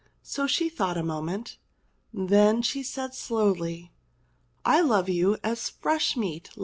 So she thought a moment, then she said slowly : "I love you as fresh meat loves salt